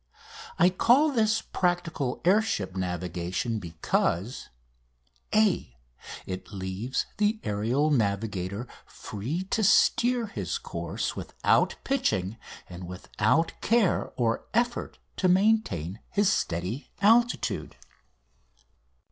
I call this practical air ship navigation because: (a) It leaves the aerial navigator free to steer his course without pitching and without care or effort to maintain his steady altitude.